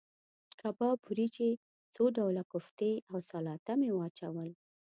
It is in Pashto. کباب، وریجې، څو ډوله کوفتې او سلاته مې واچول.